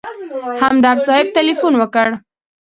همدرد صاحب تیلفون وکړ.